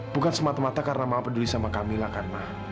bukan semata mata karena mama peduli sama kamila kan ma